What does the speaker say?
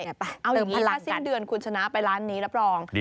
เอาอย่างนี้ถ้าสิ้นเดือนคุณชนะไปร้านนี้รับรอง